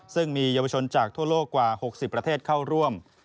ซึ่งมีเยาวชนจากทั่วโลกกว่า๖๐ประเทศเข้าร่วม